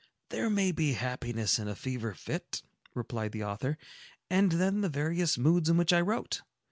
"There may be happiness in a fever fit," replied the author. "And then the various moods in which I wrote!